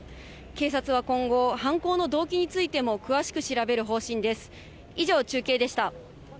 警察は今後、犯行の動機についても詳しく調べる方針です。